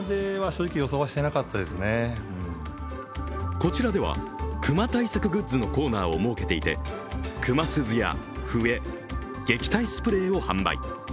こちらでは熊対策グッズのコーナーを設けていて、熊鈴や笛、撃退スプレーを販売。